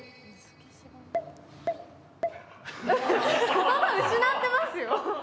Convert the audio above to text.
言葉失ってますよ。